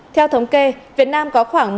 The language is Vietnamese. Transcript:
theo thống kê việt nam có khoảng